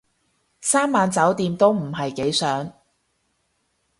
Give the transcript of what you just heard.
三晚酒店都唔係幾想